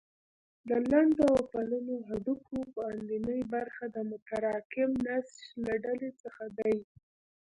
د لنډو او پلنو هډوکو باندنۍ برخې د متراکم نسج له ډلې څخه دي.